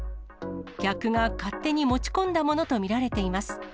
客が勝手に持ち込んだものと見られています。